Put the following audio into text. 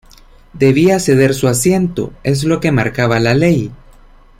Debía ceder su asiento, es lo que marcaba la ley.